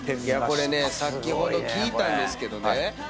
これ先ほど聞いたんですけどね。